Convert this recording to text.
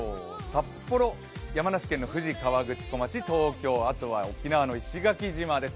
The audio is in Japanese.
札幌、山梨県の富士河口湖町、東京、あとは沖縄の石垣島です。